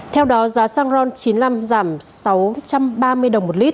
theo đó giá xăng ron chín mươi năm giảm sáu trăm ba mươi đồng một lít